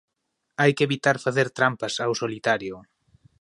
Hai que evitar facer trampas ao solitario.